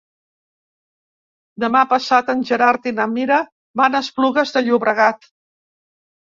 Demà passat en Gerard i na Mira van a Esplugues de Llobregat.